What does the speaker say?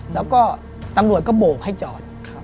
แล้วก็ตำรวจก็โบกให้จอด